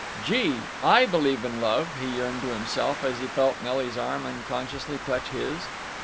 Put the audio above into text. "Gee, I believe in love!" he yearned to himself, as he felt Nelly's arm unconsciously touch his.